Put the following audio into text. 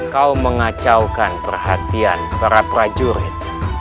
kau mengacaukan perhatian para prajurit